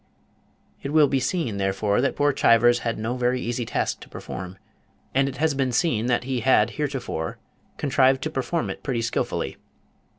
It will be seen, therefore, that poor Chivers had no very easy task to perform, and it has been seen that he had heretofore contrived to perform it pretty skilfully.